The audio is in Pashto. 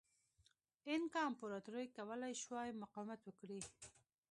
اینکا امپراتورۍ کولای شوای مقاومت وکړي.